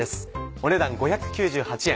お値段５９８円